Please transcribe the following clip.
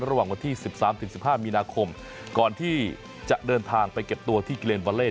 ระหว่างวันที่๑๓๑๕มีนาคมก่อนที่จะเดินทางไปเก็บตัวที่กิเลนวาเล่